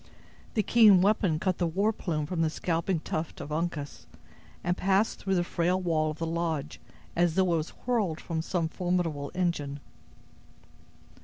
The keen weapon cut the war plume from the scalping tuft of Uncas, and passed through the frail wall of the lodge as though it were hurled from some formidable engine.